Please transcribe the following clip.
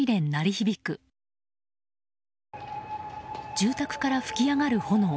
住宅から噴き上がる炎。